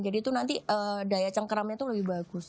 jadi itu nanti daya cengkeramnya itu lebih bagus